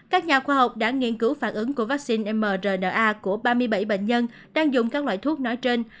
các nhà khoa học đã nghiên cứu phản ứng của vaccine mrna của ba mươi bảy bệnh nhân đang dùng các loại thuốc nói trên